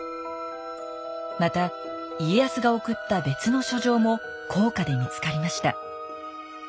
また家康が送った別の書状も甲賀で見つかりました。